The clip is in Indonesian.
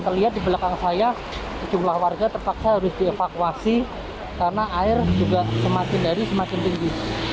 terlihat di belakang saya sejumlah warga terpaksa harus dievakuasi karena air juga semakin dari semakin tinggi